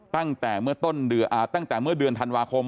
ตั้งแต่เมื่อเดือนธันวาคม